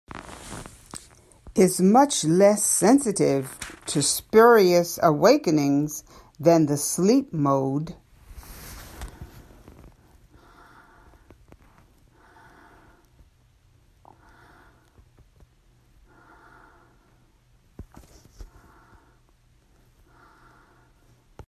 Is much less sensitive to spurious awakenings than the sleep mode.